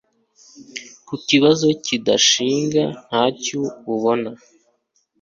Ku kibazo kidashinga ntacyu ubona;